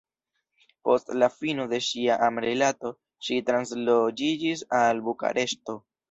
Post la fino de ŝia amrilato, ŝi transloĝiĝis al Bukareŝto.